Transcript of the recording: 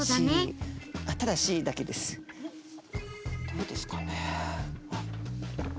どうですかね？